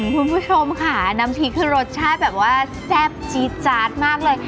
คุณผู้ชมค่ะน้ำพริกคือรสชาติแบบว่าแซ่บจี๊ดจาดมากเลย